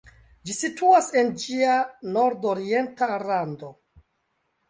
Ĝi situas en ĝia nordorienta rando.